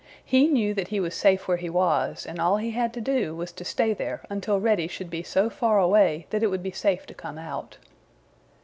He knew that he was safe where he was, and all he had to do was to stay there until Reddy should be so far away that it would be safe to come out.